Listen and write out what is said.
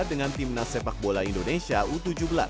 dengan tim nas sepak bola indonesia u tujuh belas